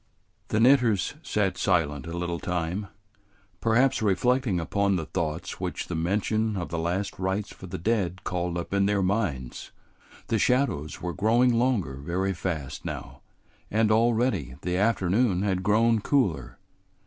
The knitters sat silent a little time, perhaps reflecting upon the thoughts which the mention of the last rites for the dead called up in their minds. The shadows were growing longer very fast now, and already the afternoon had grown cooler.